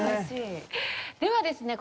ではですね